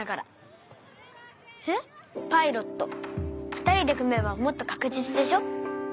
２人で組めばもっと確実でしょ？